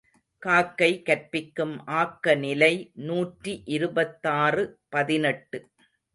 காக்கை கற்பிக்கும் ஆக்க நிலை நூற்றி இருபத்தாறு பதினெட்டு .